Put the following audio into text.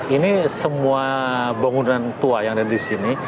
ini semua bangunan tua yang ada di sini